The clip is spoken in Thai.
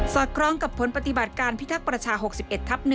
คล้องกับผลปฏิบัติการพิทักษ์ประชา๖๑ทับ๑